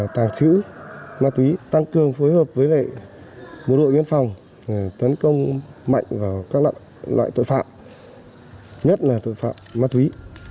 tàng trữ ma túy tăng cường phối hợp với bộ đội biên phòng tấn công mạnh vào các loại tội phạm nhất là tội phạm ma túy